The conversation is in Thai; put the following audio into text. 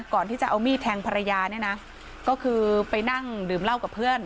ก่อนที่จะเอามีดแทงภรรยาเนี่ยนะก็คือไปนั่งดื่มเหล้ากับเพื่อน